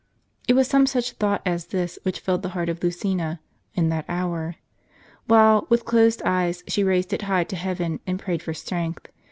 It was some such thought as this which filled the heart of Lucina in that hour ; while, with closed eyes, she raised it high to heaven, and prayed for strength.